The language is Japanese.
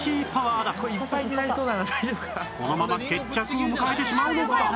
このまま決着を迎えてしまうのか？